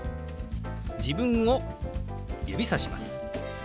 自分を指さします。